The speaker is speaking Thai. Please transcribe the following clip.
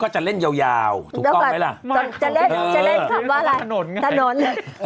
จะเล่นของธนหนย์